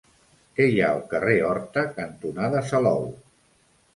Què hi ha al carrer Horta cantonada Salou?